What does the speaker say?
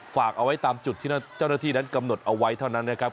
ฝากเอาไว้ตามจุดที่เจ้าหน้าที่นั้นกำหนดเอาไว้เท่านั้นนะครับ